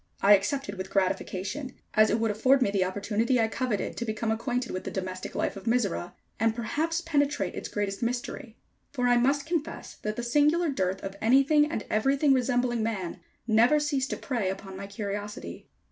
I accepted with gratification, as it would afford me the opportunity I coveted to become acquainted with the domestic life of Mizora, and perhaps penetrate its greatest mystery, for I must confess that the singular dearth of anything and everything resembling Man, never ceased to prey upon my curiosity.